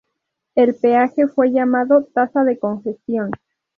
El peaje fue llamado "tasa de congestión".